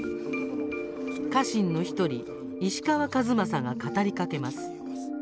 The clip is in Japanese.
家臣の１人石川数正が語りかけます。